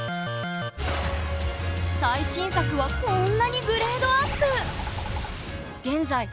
最新作はこんなにグレードアップ！